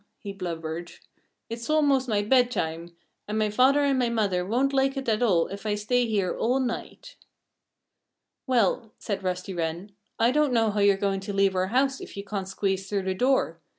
he blubbered. "It's almost my bedtime. And my father and my mother won't like it at all if I stay here all night." "Well," said Rusty Wren, "I don't know how you're going to leave our house if you can't squeeze through the door.